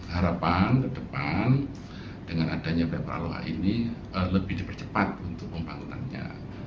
harapan ke depan dengan adanya pph loa ini lebih dipercepat untuk pembangunannya